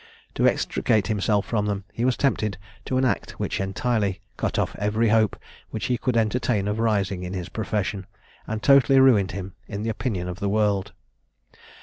To extricate himself from them, he was tempted to an act which entirely cut off every hope which he could entertain of rising in his profession, and totally ruined him in the opinion of the world.